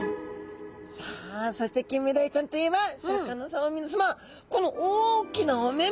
さあそしてキンメダイちゃんといえばシャーク香音さま皆さまこの大きなお目々。